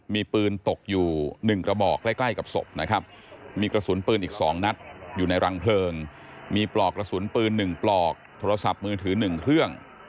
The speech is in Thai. มีปลอกละสุนปืนหนึ่งปลอกโทรศัพท์มือถือหนึ่งเครื่อง